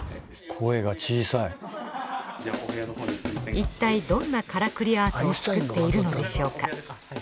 いったいどんなからくりアートを作っているのでしょうか？